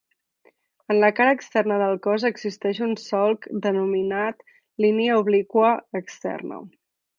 En la cara externa del cos existeix un solc denominat línia obliqua externa.